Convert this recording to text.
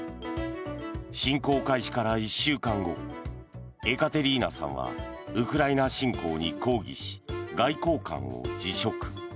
侵攻開始から１週間後エカテリーナさんはウクライナ侵攻に抗議し外交官を辞職。